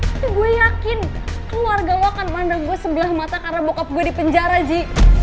tapi gue yakin keluarga lo akan mandang gue sebelah mata karena bokap gue di penjara ji